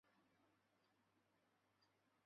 这个名称也是后来才出现的。